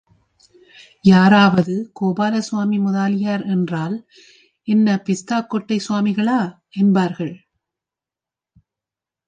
யாராவது கோபாலசாமி முதலியார் என்றால், என்ன, பிஸ்தாக்கொட்டை ஸ்வாமிகளா? என்பார்கள்.